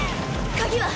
鍵は？